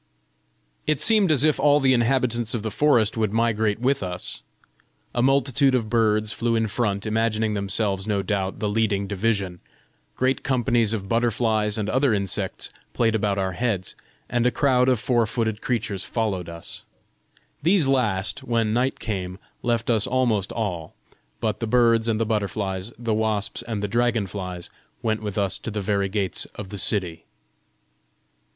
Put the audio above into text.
It seemed as if all the inhabitants of the forest would migrate with us. A multitude of birds flew in front, imagining themselves, no doubt, the leading division; great companies of butterflies and other insects played about our heads; and a crowd of four footed creatures followed us. These last, when night came, left us almost all; but the birds and the butterflies, the wasps and the dragon flies, went with us to the very gates of the city.